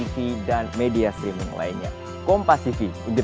sama sama terima kasih